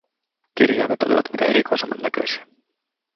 Kirjaimet olivat mitä erikoisemman näköisiä.